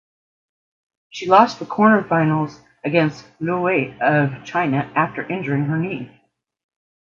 She lost in the quarterfinals against Luo Wei of China after injuring her knee.